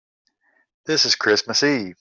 This is Christmas Eve.